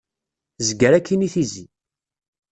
Zger akkin i tizi.